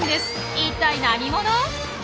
一体何者？